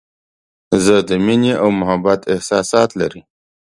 زه د مینې او محبت احساسات لري.